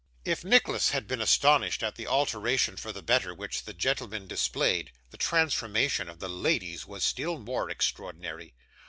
If Nicholas had been astonished at the alteration for the better which the gentlemen displayed, the transformation of the ladies was still more extraordinary.